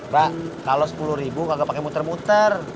bak kalo sepuluh kagak pake muter muter